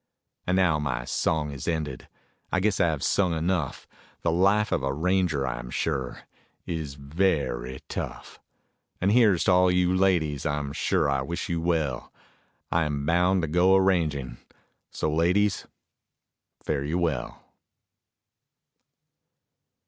And now my song is ended; I guess I have sung enough; The life of a ranger I am sure is very tough. And here's to all you ladies, I am sure I wish you well, I am bound to go a ranging, so ladies, fare you well.